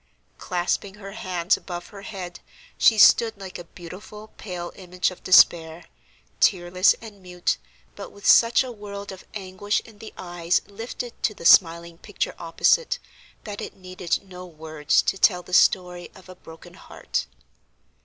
Clasping her hands above her head, she stood like a beautiful, pale image of despair; tearless and mute, but with such a world of anguish in the eyes lifted to the smiling picture opposite that it needed no words to tell the story of a broken heart.